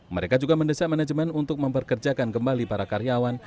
mereka juga mendesak manajemen untuk memperkerjakan kembali para karyawan